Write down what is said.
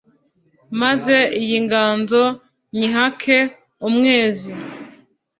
maze iyi nganzo nyihake umwezi